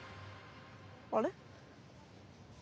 あれ？